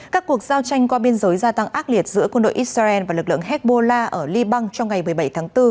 các cuộc giao tranh qua biên giới gia tăng ác liệt giữa quân đội israel và lực lượng hezbollah ở liban trong ngày một mươi bảy tháng bốn